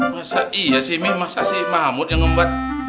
masa iya sih mi masa si mahmud yang ngembat